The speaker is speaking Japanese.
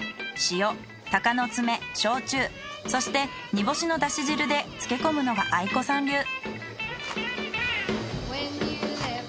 塩鷹の爪焼酎そして煮干しのだし汁で漬け込むのが愛子さん流。